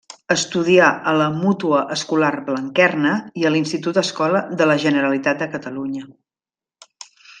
Estudià a la Mútua Escolar Blanquerna i a l'Institut-Escola de la Generalitat de Catalunya.